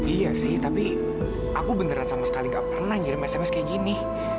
iya sih tapi aku beneran sama sekali gak pernah ngirim sms kayak gini